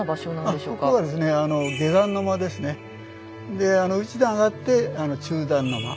であの一段上がって「中段の間」。